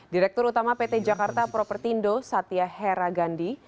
direktur utama pt jakarta propertindo satya hera gandhi